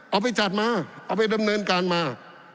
เอาไปจัดมาเอาไปดำเนินการมา